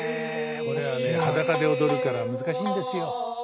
これはね裸で踊るから難しいんですよ。